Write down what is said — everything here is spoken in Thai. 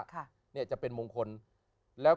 พระกิ่งจะเป็นมงคล